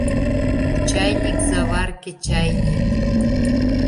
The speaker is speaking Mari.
Кучайник — заварке чайник.